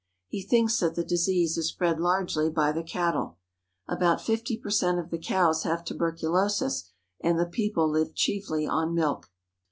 He thinks that the disease is spread largely by the cattle. About 50 per cent, of the cows have tuber culosis, and the people live chiefly on milk.